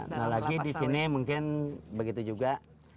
nah lagi disini mungkin begitu juga